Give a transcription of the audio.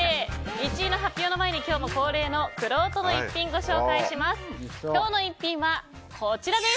１位の発表の前に今日も恒例のくろうとの逸品ご紹介します。